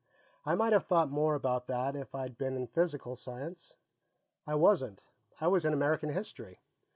I might have thought more about that if I'd been in physical science. I wasn't; I was in American history.